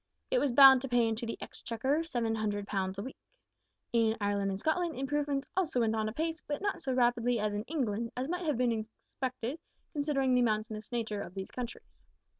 It was bound to pay into the Exchequer 700 pounds a week. In Ireland and Scotland improvements also went on apace, but not so rapidly as in England, as might have been expected, considering the mountainous nature of these countries.